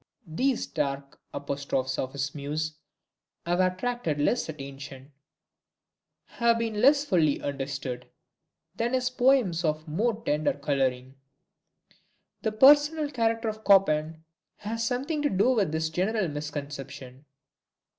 These dark apostrophes of his muse have attracted less attention, have been less fully understood, than his poems of more tender coloring. The personal character of Chopin had something to do with this general misconception.